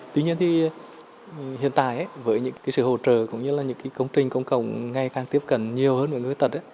tuy nhiên thì hiện tại với những cái sự hỗ trợ cũng như là những cái công trình công cộng ngay càng tiếp cận nhiều hơn với người tật